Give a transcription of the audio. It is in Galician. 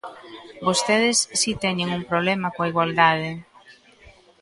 Vostedes si teñen un problema coa igualdade.